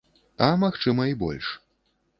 А, магчыма, і больш.